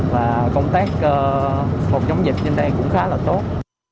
và chống dịch trên đây cũng khá là tốt